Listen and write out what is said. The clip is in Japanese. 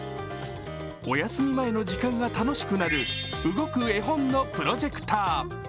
おやすみ前の時間が楽しくなる動く絵本のプロジェクター。